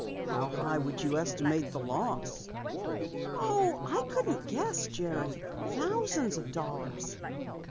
"How high would you estimate the loss?" "Oh, I couldn't guess, Jerry. Thousands of dollars."